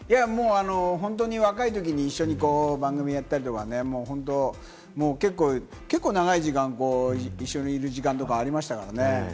本当に若いときに一緒に番組をやったりとかね、結構長い時間一緒にいる時間とかありましたからね。